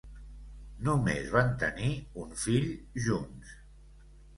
Només van tenir un fill junts.